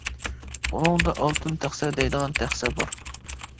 ئۇنىڭدا ئالتۇن تەخسە دەيدىغان تەخسە بار.